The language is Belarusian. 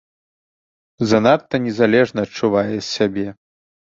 Занадта незалежна адчувае сябе.